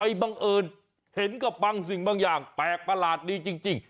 บังเอิญเห็นกับบางสิ่งบางอย่างแปลกประหลาดดีจริง